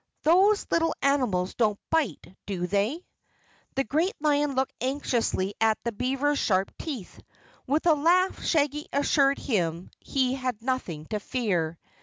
Those little animals don't bite, do they?" The great lion looked anxiously at the beaver's sharp teeth. With a laugh Shaggy assured him he had nothing to fear.